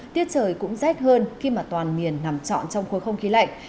tiết trời cũng rét hơn khi mà toàn miền nằm trọn trong khối không khí lạnh